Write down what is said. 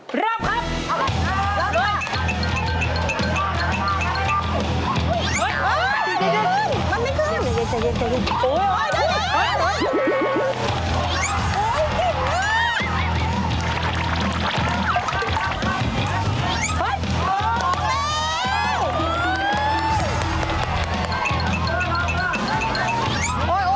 พร้อมแล้ว